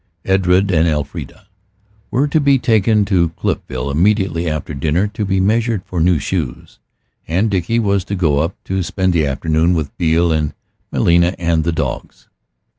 Edred and Elfrida were to be taken to Cliffville immediately after dinner to be measured for new shoes, and Dickie was to go up to spend the afternoon with Beale and 'Melia and the dogs.